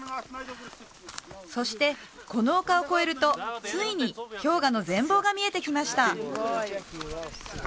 そしてこの丘を越えるとついに氷河の全貌が見えてきました